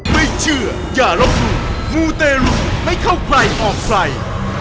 ไม่เชื่ออย่าลบหลู่มูเตรุไม่เข้าใครออกใคร